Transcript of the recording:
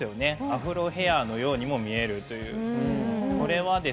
アフロヘアのようにも見えるという。